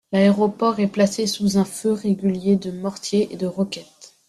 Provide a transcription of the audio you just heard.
L'aéroport est placé sous un feu régulier de mortiers et de roquettes.